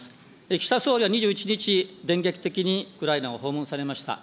岸田総理は２１日、電撃的にウクライナを訪問されました。